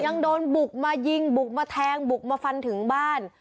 ยังโดนบุกมายิงบุกมาแทงบุกมาฟันถึงบ้าน